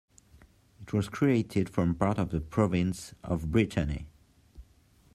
It was created from part of the province of Brittany.